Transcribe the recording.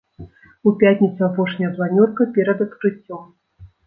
У пятніцу апошняя планёрка перад адкрыццём.